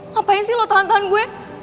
ngapain sih lo tahan tahan gue